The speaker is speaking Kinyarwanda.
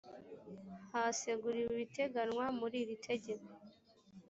haseguriwe ibiteganywa muri iri tegeko